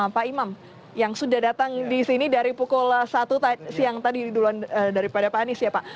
pak imam yang sudah datang di sini dari pukul satu siang tadi duluan daripada pak anies ya pak